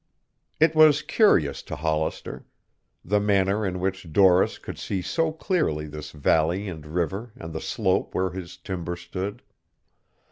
It was curious to Hollister, the manner in which Doris could see so clearly this valley and river and the slope where his timber stood.